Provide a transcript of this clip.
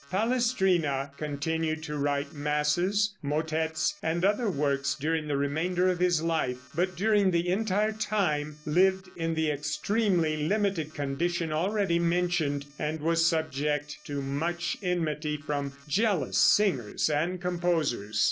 Palestrina continued to write masses, motettes and other works during the remainder of his life, but during the entire time lived in the extremely limited condition already mentioned, and was subject to much enmity from jealous singers and composers.